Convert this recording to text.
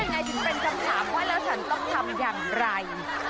ก็น่าจะเป็นคำถามว่าฉันต้องทำอย่างไร